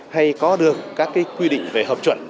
hay có được các quy định về hợp chuẩn v v